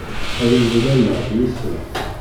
Ad am-d-laleɣ d wissen.